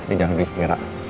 di jalan di istiara